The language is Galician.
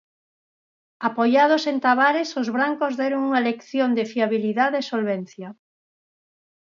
Apoiados en Tavares, os brancos deron unha lección de fiabilidade e solvencia.